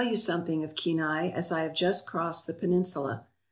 you something of Kenai, as I have just crossed tHe peninsula.